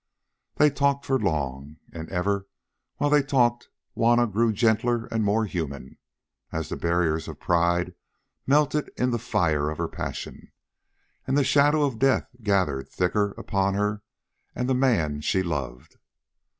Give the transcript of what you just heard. They talked for long, and ever while they talked Juanna grew gentler and more human, as the barriers of pride melted in the fire of her passion and the shadow of death gathered thicker upon her and the man she loved.